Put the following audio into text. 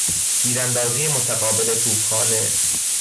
تیراندازی متقابل توپخانه